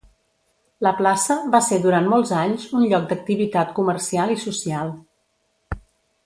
La plaça va ser durant molts anys un lloc d'activitat comercial i social.